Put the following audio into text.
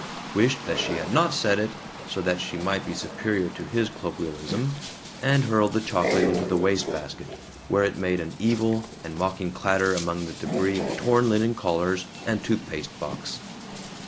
wished that she had not said it, so that she might be superior to his colloquialism, and hurled the chocolate into the wastebasket, where it made an evil and mocking clatter among the debris of torn linen collars and toothpaste box.